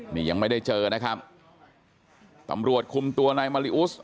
นี่ยังไม่ได้เจอนะครับตำรวจคุมตัวนายมาริอุส